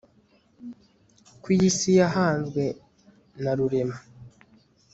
ko iyi isi yahanzwe na rurema